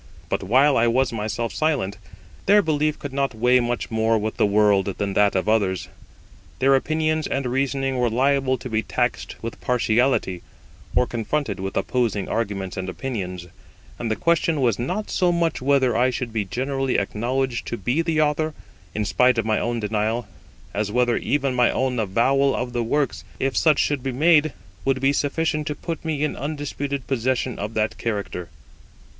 But while I was myself silent, their belief could not weigh much more with the world than that of others; their opinions and reasoning were liable to be taxed with partiality, or confronted with opposing arguments and opinions; and the question was not so much whether I should be generally acknowledged to be the Author, in spite of my own denial, as whether even my own avowal of the works, if such should be made, would be sufficient to put me in undisputed possession of that character.